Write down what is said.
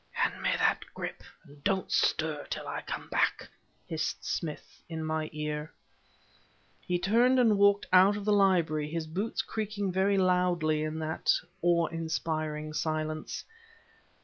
"Hand me that grip, and don't stir until I come back!" hissed Smith in my ear. He turned and walked out of the library, his boots creaking very loudly in that awe inspiring silence.